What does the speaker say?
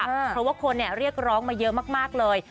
เพราะว่าคนเรียกร้องมาเยอะมากเลย